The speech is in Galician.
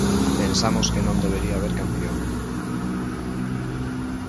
Pensamos que non debería haber campión.